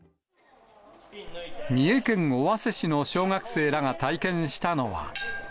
三重県尾鷲市の小学生らが体験したのは。